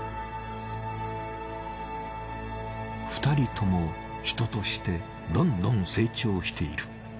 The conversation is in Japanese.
２人とも人としてどんどん成長している。